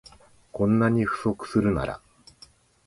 こんなに不足するなら